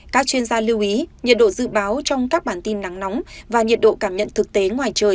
các chuyên gia lưu ý nhiệt độ dự báo trong các bản tin nắng nóng và nhiệt độ cảm nhận thực tế ngoài trời